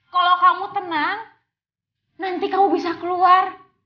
kalau kamu tenang nanti kamu bisa keluar